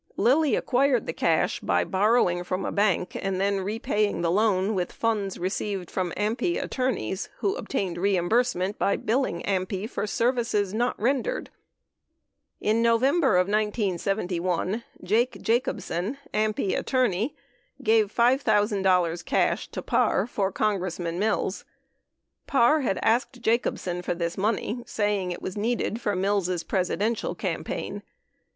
Lilly acquired the cash by borrowing from a bank and then repaying the loan with funds received from AMPI attorneys who obtained reimbursement by billing AMPI for services not rendered. In November of 1971, Jake Jacobsen, AMPI attorney, gave $5,000 cash to Parr for Congressman Mills. Parr had asked Jacobsen for this money, saying it was needed for Mills' Presidential campaign.